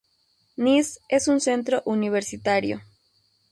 Niš es un centro universitario.